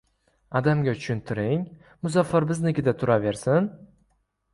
Adamga tushuntiring, Muzaffar biznikida turaversin.